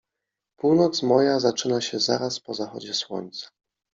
Północ moja zaczyna się zaraz po zachodzie słońca.